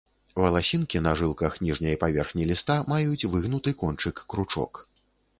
Валасінкі на жылках ніжняй паверхні ліста маюць выгнуты кончык-кручок.